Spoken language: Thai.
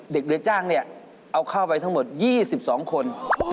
เด็กเรียนจ้างนี่เอาเข้าไปทั้งหมด๒๒คน